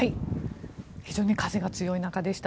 非常に風が強い中でした。